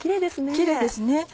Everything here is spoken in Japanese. キレイですね。